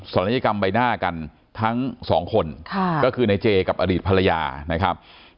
ศัลยกรรมใบหน้ากันทั้งสองคนก็คือในเจกับอดีตภรรยานะครับ